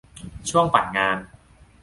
ช่วงปั่นงาน